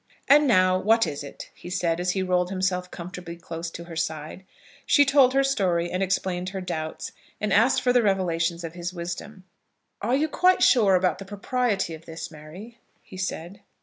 "And now what is it?" he said, as he rolled himself comfortably close to her side. She told her story, and explained her doubts, and asked for the revelations of his wisdom. "Are you quite sure about the propriety of this, Mary?" he said.